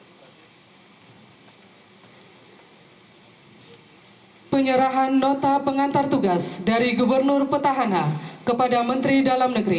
hai penyerahan nota pengantar tugas dari gubernur petahana kepada menteri dalam negeri